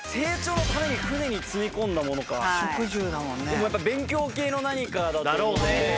でもやっぱ勉強系の何かだと思うんで。